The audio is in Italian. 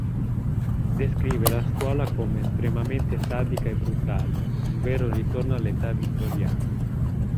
Descrive la scuola come "estremamente sadica e brutale, un vero ritorno all’ età Vittoriana.